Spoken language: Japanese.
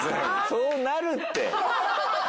そうなるって！